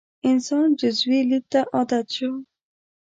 انسان جزوي لید ته عادت شو.